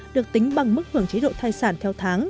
được tính bằng mức hưởng chế độ thai sản theo tháng